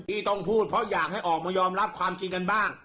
ที่ต้องพูดเพราะอยากให้ออกมายอมรับความจริงกันบ้าง